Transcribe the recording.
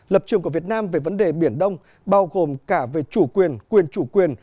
lập trường của việt nam về vấn đề biển đông bao gồm cả về chủ quyền quyền chủ quyền